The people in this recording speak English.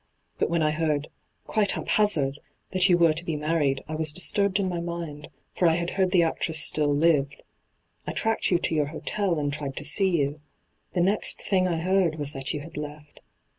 But when I heard — quite haphazard — that you were to be married, I was disturbed in my mind, for I had heard the actress still lived. I tracked you to your hotel, and tried to see you. The next thing I heard was that you had left.